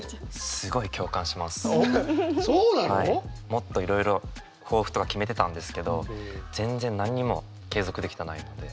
もっといろいろ抱負とか決めてたんですけど全然何にも継続できてないので。